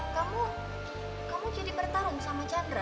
kamu kamu jadi bertarung sama chandra